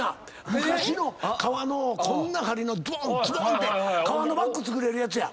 昔の革のこんな針のずどんずどんって革のバッグ作れるやつや。